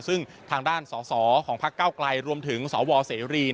ซึ่งทางด้านสอสอของพักเก้าไกลรวมถึงสวเสรี